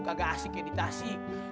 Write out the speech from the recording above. kagak asik yang di tasik